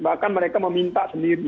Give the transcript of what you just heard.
bahkan mereka meminta sendiri